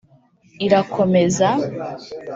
irakomeza